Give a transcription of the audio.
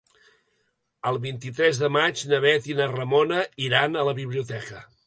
El vint-i-tres de maig na Bet i na Ramona iran a la biblioteca.